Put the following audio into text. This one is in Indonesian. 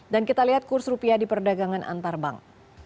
dan kita lihat kursus rupiah di perdagangan antar bank